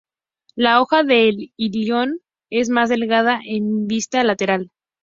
La hoja del ilion es más delgada en vista lateral.